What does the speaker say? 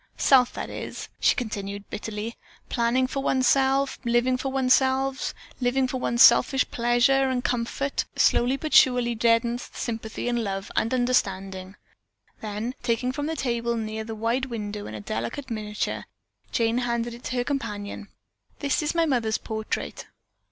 Self, that is it," she continued bitterly, "planning for oneself, living for oneself, living for one's selfish pleasure and comfort, slowly but surely deadens sympathy and love and understanding." Then taking from the table near the wide window a delicate miniature, Jane handed it to her companion. "That is my mother's portrait."